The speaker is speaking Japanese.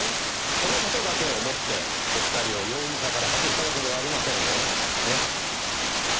この事だけをもってお二人を容疑者から外したわけではありませんよ。えっ？